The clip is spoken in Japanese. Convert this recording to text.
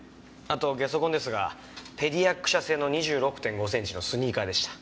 あとゲソ痕ですがペディアック社製の２６．５センチのスニーカーでした。